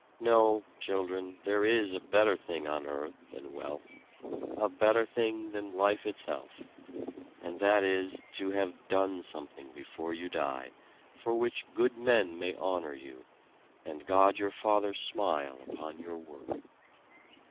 No, children, there is a better thing on earth than wealth, a better thing than life itself; and that is, to have done something before you die, for which good men may honour you, and God your Father smile upon your work.